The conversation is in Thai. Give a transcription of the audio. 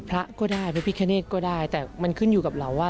พระก็ได้พระพิคเนธก็ได้แต่มันขึ้นอยู่กับเราว่า